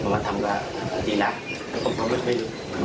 มาเร่งนอน